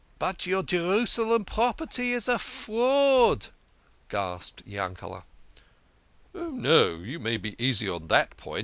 " But your Jerusalem property is a fraud !" gasped Yankete. "Oh, no, you may be easy on that point.